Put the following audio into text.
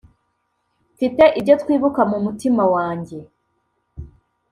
mfite ibyo twibuka mu mutima wanjye.